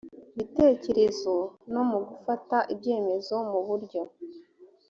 bitekerezo no mu gufata ibyemezo mu buryo